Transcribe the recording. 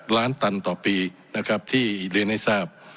ล้านตันต่อปีนะครับที่เรียนให้ทราบ